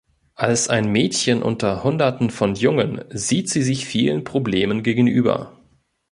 Als ein Mädchen unter Hunderten von Jungen sieht sie sich vielen Problemen gegenüber.